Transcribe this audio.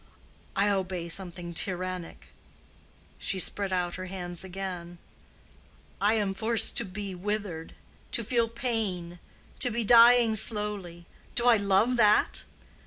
I obey something tyrannic"—she spread out her hands again—"I am forced to be withered, to feel pain, to be dying slowly. Do I love that?